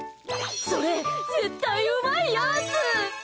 それ、絶対うまいやーつ！